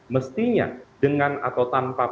mestinya dengan atau tanpa